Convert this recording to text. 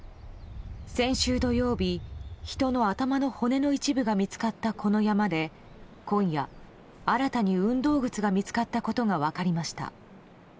先週土曜日、人の頭の骨の一部が見つかった、この山で今夜新たに運動靴が見つかったことが分かりました。